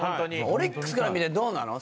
オリックスから見てどうなの？